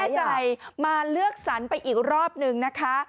ไม่แน่ใจมาเลือกสัญหาไปอีกรอบหนึ่งนะคะ